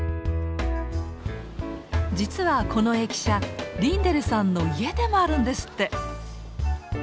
実はこの駅舎リンデルさんの家でもあるんですって。